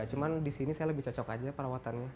cuman di sini saya lebih cocok aja perawatannya